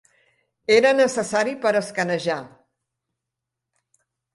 Era necessari per escanejar.